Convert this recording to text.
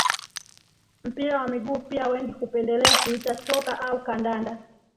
Mpira wa miguu pia wengi hupendelea kuita soka au kandanda